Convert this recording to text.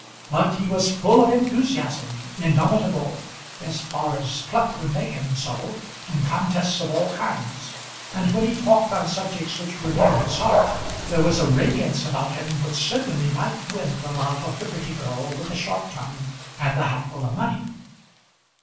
But he was full of enthusiasm, indomitable, as far as pluck would make him so, in contests of all kinds, and when he talked on subjects which were near his heart there was a radiance about him which certainly might win the love of the pretty girl with the sharp tongue and the hatful of money.